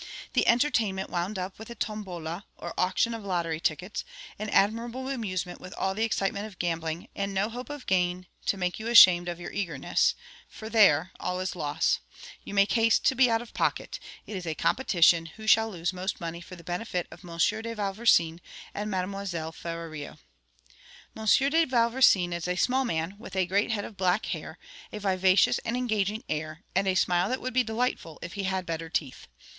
The entertainment wound up with a tombola, or auction of lottery tickets: an admirable amusement, with all the excitement of gambling, and no hope of gain to make you ashamed of your eagerness; for there, all is loss; you make haste to be out of pocket; it is a competition who shall lose most money for the benefit of M. de Vauversin and Mademoiselle Ferrario. M. de Vauversin is a small man, with a great head of black hair, a vivacious and engaging air, and a smile that would be delightful if he had better teeth.